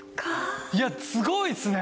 いやすごいっすね！